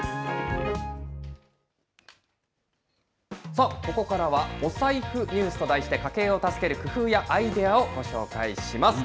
さあ、ここからはお財布ニュースと題して、家計を助ける工夫やアイデアをご紹介します。